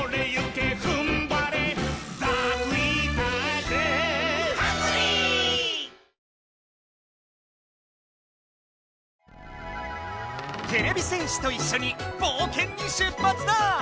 てれび戦士といっしょにぼうけんに出発だ！